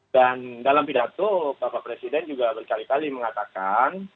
dan dalam pidato bapak presiden juga berkali kali mengatakan